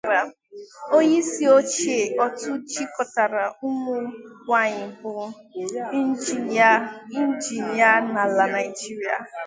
onyeisioche òtù jikọtara ụmụnwaanyị bụ Injinia n'ala Nigeria